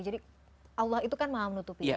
jadi allah itu kan maha menutupi